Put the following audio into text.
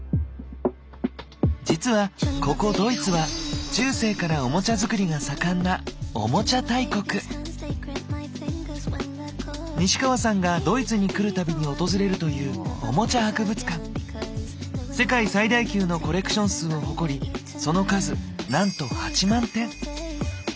実はここドイツは中世からオモチャ作りが盛んな西川さんがドイツに来る度に訪れるという世界最大級のコレクション数を誇りその数なんと８万点。